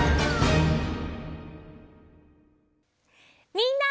みんな。